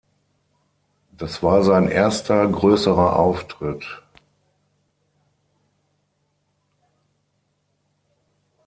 Das war sein erster größerer Auftritt.